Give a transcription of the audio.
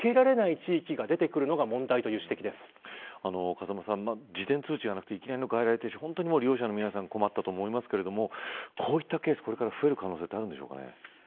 風間さん、事前通知がなくていきなりの外来停止は困ったと思いますがこういったケースが増える可能性はあるのでしょうか。